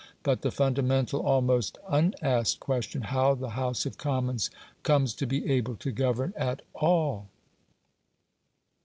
but the fundamental almost unasked question how the House of Commons comes to be able to govern at all?